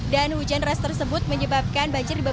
dan hujan deras tersebut menyebabkan banjir di bandung